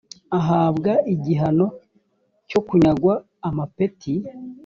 ahabwa igihano cyo kunyagwa amapeti